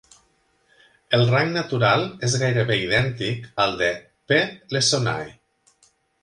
El rang natural és gairebé idèntic al de "P. lessonae".